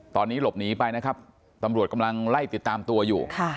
ตอนนี้หลบหนีไปนะครับตำรวจกำลังไล่ติดตามตัวอยู่